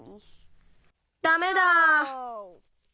ダメだ。